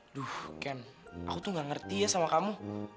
aduh ken aku tuh gak ngerti ya sama kamu